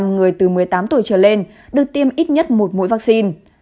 một trăm linh người từ một mươi tám tuổi trở lên được tiêm ít nhất một mũi vắc xin